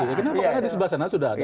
karena di subasana sudah ada